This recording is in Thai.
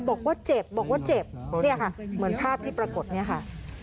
บอกว่าเจ็บนี่ค่ะเหมือนภาพที่ปรากฏนี่ค่ะ